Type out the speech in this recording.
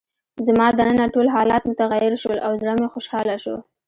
زما دننه ټول حالات متغیر شول او زړه مې خوشحاله شو.